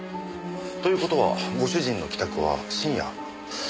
という事はご主人の帰宅は深夜０時過ぎ。